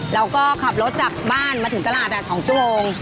แล้วก็ขับรถจากบ้านมาถึงตลาด๒ชั่วโมง